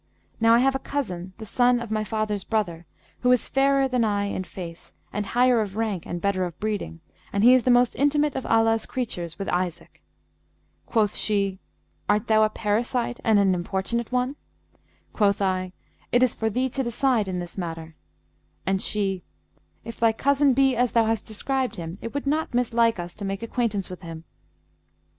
Now I have a cousin, the son of my father's brother, who is fairer than I in face and higher of rank and better of breeding; and he is the most intimate of Allah's creatures with Isaac.' Quoth she, 'Art thou a parasite[FN#179] and an importunate one?' Quoth I, 'It is for thee to decide in this matter;' and she, 'If thy cousin be as thou hast described him, it would not mislike us to make acquaintance with him.'